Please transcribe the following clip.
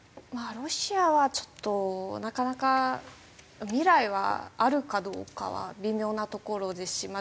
ロシアはちょっとなかなか未来はあるかどうかは微妙なところですしま